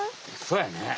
そうやね。